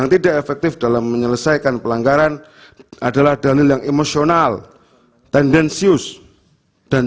tidak efektif dalam menyelesaikan pelanggaran adalah daniel yang emosional tendensius dan